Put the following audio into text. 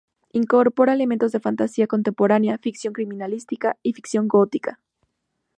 Incorpora elementos de fantasía contemporánea, ficción criminalística y ficción gótica.